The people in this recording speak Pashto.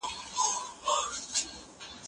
د څېړونکي مزاج باید له لارښود استاد سره جوړ وي.